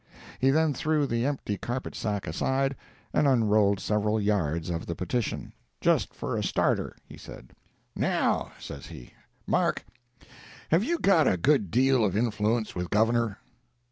He then threw the empty carpet sack aside and unrolled several yards of the petition—"just for a starter," he said. "Now," says he, "Mark, have you got a good deal of influence with Governor?"